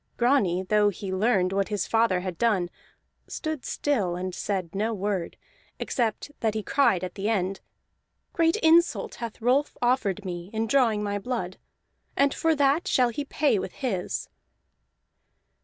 Grani, though he learned what his father had done, stood still and said no word, except that he cried at the end: "Great insult hath Rolf offered me in drawing my blood, and for that shall he pay with his."